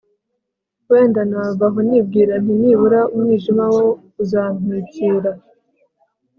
wenda nava aho nibwira nti nibura umwijima wo uzantwikira